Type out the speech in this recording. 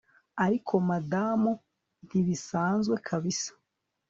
Ariko Madamu ntibisanzwe kabisa